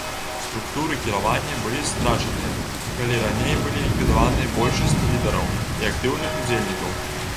Структуры кіравання былі страчаныя, калі раней былі ліквідаваныя большасць лідараў і актыўных удзельнікаў.